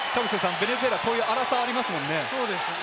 ベネズエラ、こういう粗さがありますもんね。